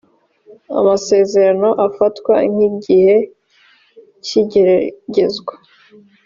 amasezerano afatwa nk’igihe cy’igeragezwa